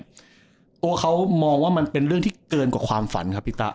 ตัวเขามองว่ามันเป็นเรื่องที่เกินกว่าความฝันครับพี่ตะ